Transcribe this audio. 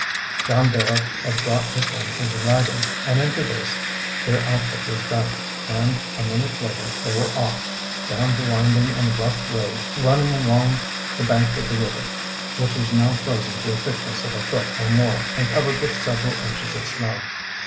John Barrow had brought with him his wagon, and into this their outfit was dumped, and a minute later they were off, down the winding and rough road running along the bank of the river, which was now frozen to a thickness of a foot or more and covered with several inches of snow.